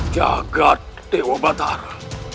jagad dewa batara